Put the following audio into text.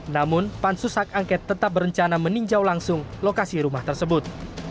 namun pansus hak angket tetap berencana meninjau langsung lokasi rumah tersebut